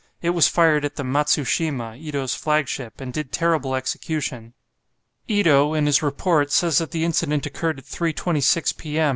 It was fired at the "Matsushima," Ito's flagship, and did terrible execution. Ito, in his report, says that the incident occurred at 3.26 p.m.